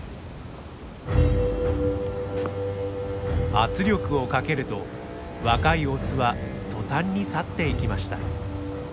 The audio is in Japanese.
圧力をかけると若いオスは途端に去っていきました。